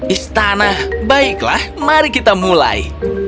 istana baiklah mari kita mulai